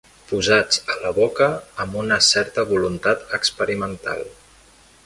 Posats a la boca amb una certa voluntat experimental.